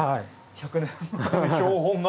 １００年前の標本が。